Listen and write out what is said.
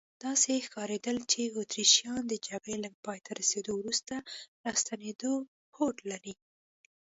داسې ښکارېدل چې اتریشیان د جګړې له پایته رسیدو وروسته راستنېدو هوډ لري.